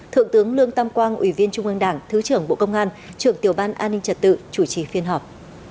thượng tướng lương tam quang ủy viên trung ương đảng thứ trưởng bộ công an trưởng tiểu ban an ninh trật tự chủ trì phiên họp